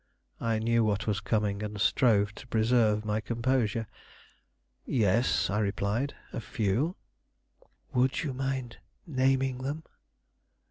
I knew what was coming, and strove to preserve my composure. "Yes," I replied; "a few." "Would you mind naming them?"